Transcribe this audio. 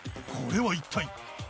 これは一体？